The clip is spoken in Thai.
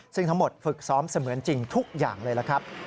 ซึ่งทั้งหมดฝึกซ้อมเสมือนจริงทุกอย่างเลยล่ะครับ